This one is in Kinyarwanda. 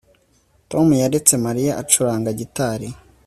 Tom yaretse Mariya acuranga gitari